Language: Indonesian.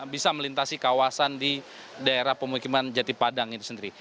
bisa melintasi kawasan di daerah pemukiman jati padang itu sendiri